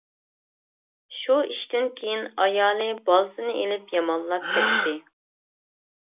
شۇ ئىشتىن كېيىن ئايالى بالىسىنى ئېلىپ يامانلاپ كەتتى.